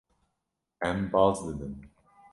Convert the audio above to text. Em baz didin.